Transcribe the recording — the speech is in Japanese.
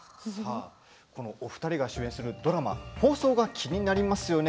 お二人が出演するドラマ放送が気になりますよね。